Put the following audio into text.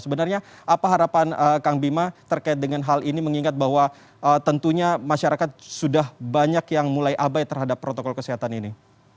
sebenarnya apa harapan kang bima terkait dengan hal ini mengingat bahwa tentunya masyarakat sudah banyak yang mulai abai terhadap protokol kesehatan ini